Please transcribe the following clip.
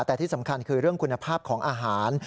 แต่ที่สำคัญคือเรื่องคุณภาพของอาหาร